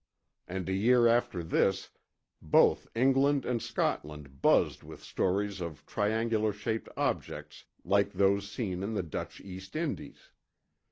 And a year after this, both England and Scotland buzzed with stories of triangular shaped objects like those seen in the Dutch East Indies.